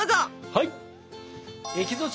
はい！